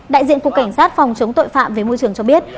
đại diện cục cảnh sát phòng chống tội phạm về môi trường cho biết